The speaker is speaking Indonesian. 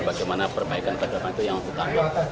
bagaimana perbaikan perbaikan itu yang utama